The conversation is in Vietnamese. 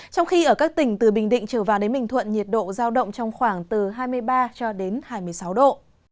trong khi ở các tỉnh từ bình định trở vào đến ninh thuận nhiệt độ giao động trong khoảng từ hai mươi ba hai mươi sáu độ